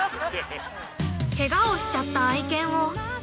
◆けがをしちゃった愛犬を◆